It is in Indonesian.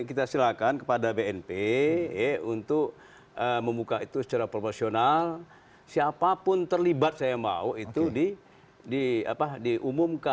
kita silakan kepada bnp untuk membuka itu secara proporsional siapapun terlibat saya mau itu diumumkan